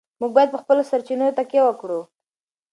موږ باید په خپلو سرچینو تکیه وکړو.